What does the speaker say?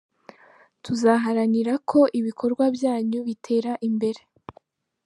Tuzaharanira ko ibikorwa byanyu bitera imbere.